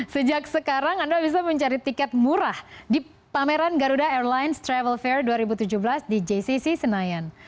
sejak sekarang anda bisa mencari tiket murah di pameran garuda airlines travel fair dua ribu tujuh belas di jcc senayan